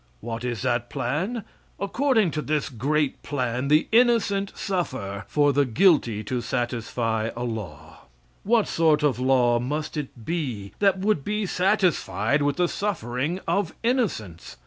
What is that plan? According to this great plan, the innocent suffer for the guilty to satisfy a law. What sort of a law must it be that would be satisfied with the suffering of innocence?